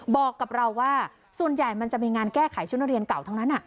บอกกับเราว่าส่วนใหญ่มันจะมีงานแก้ไขชุดนักเรียนเก่าทั้งนั้น